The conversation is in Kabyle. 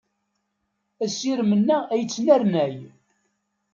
Asirem-nneɣ ad yettnernay.